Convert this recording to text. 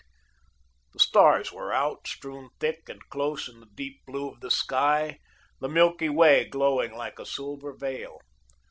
The stars were out, strewn thick and close in the deep blue of the sky, the milky way glowing like a silver veil.